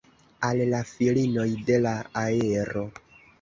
Al la filinoj de la aero!